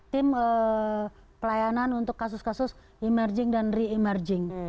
tim pelayanan untuk kasus kasus emerging dan re emerging